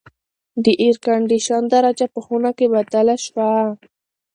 د اېرکنډیشن درجه په خونه کې بدله شوه.